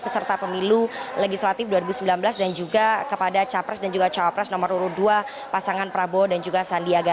peserta pemilu legislatif dua ribu sembilan belas dan juga kepada capres dan juga cawapres nomor urut dua pasangan prabowo dan juga sandiaga